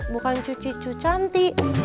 bukan cucicu cantik